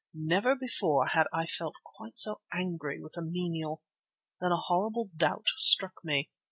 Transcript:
Never before had I felt quite so angry with a menial. Then a horrible doubt struck me.